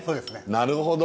なるほど。